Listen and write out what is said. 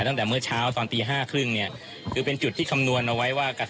ขออญาตาเลี้ยงว่า